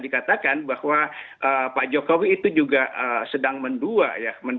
dikatakan bahwa pak jokowi itu juga sedang mendua ya